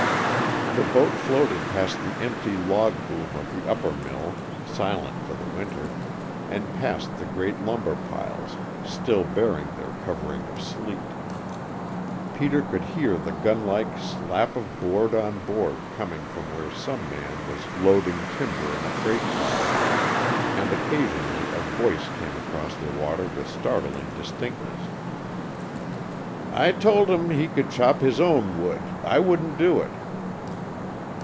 The boat floated past the empty log boom of the upper mill silent for the winter and past the great lumber piles, still bearing their covering of sleet. Peter could hear the gun like slap of board on board coming from where some man was loading lumber in a freight car, and occasionally a voice came across the water with startling distinctness: "I told him he could chop his own wood, I wouldn't do it."